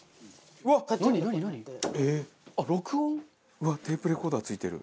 うわテープレコーダー付いてる。